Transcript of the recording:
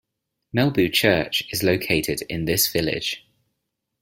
Melbu Church is located in this village.